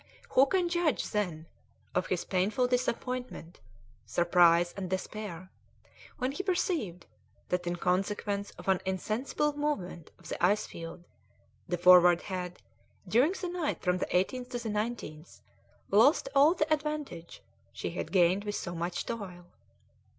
Who can judge, then, of his painful disappointment, surprise, and despair when he perceived that in consequence of an insensible movement of the ice field the Forward had, during the night from the 18th to the 19th, lost all the advantage she had gained with so much toil?